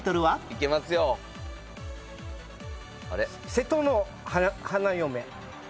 『瀬戸の花嫁』。